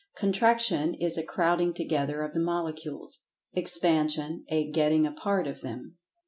Contraction is a "crowding together" of the Molecules; Expansion a "getting apart" of them.